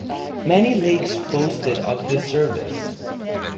Many lakes boasted of this service.